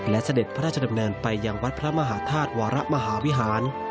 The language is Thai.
และเสด็จพระราชดำเนินไปยังวัดพระมหาธาตุวรมหาวิหาร